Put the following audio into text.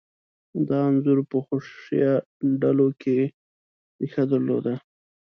دا انځور په حشویه ډلو کې ریښه درلوده.